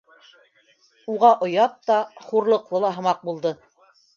Уға оят та, хурлыҡлы ла һымаҡ булды.